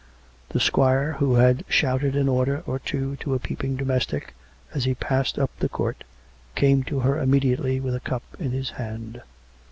The squire, who had shouted an order or two to a peeping domestic, as he passed up the court, came to her immediately with a cup in his hand.